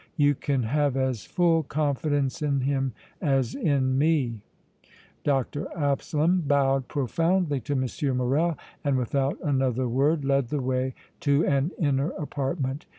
"You can have as full confidence in him as in me." Dr. Absalom bowed profoundly to M. Morrel, and without another word led the way to an inner apartment.